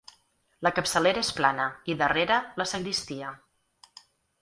La capçalera és plana i darrere, la sagristia.